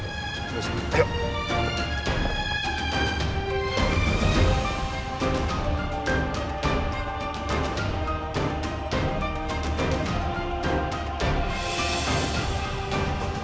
jalannya gak keren beginners